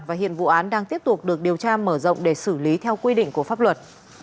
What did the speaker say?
và hiện vụ án đang tiếp tục được điều tra mở rộng để xử lý theo quy định của pháp luật